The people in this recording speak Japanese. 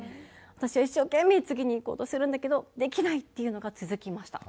私は一生懸命次にいこうとするんだけどできないっていうのが続きました。